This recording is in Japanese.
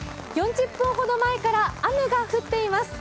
４０分ほど前から雨が降っています。